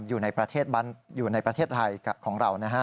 อยู่ในประเทศอยู่ในประเทศไทยของเรานะฮะ